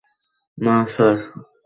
না, স্যার!